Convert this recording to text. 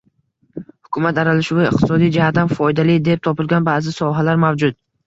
Hukumat aralashuvi iqtisodiy jihatdan foydali deb topilgan ba'zi sohalar mavjud